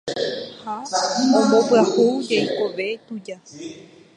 Ha ombopyahu jeikove tuja